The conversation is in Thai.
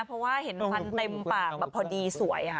เพราะว่าเห็นฟันเต็มปากแบบพอดีสวยค่ะ